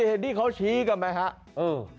เห็นที่เขาชี้กันไหมครับ